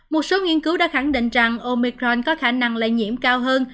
một số nghiên cứu đã khẳng định rằng omicron có khả năng lây nhiễm cao hơn